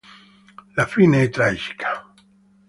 La fine è tragica.